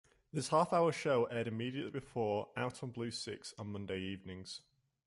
This half-hour show aired immediately before "Out on Blue Six" on Monday evenings.